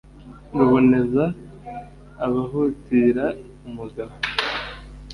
ruboneza abahutira umugabo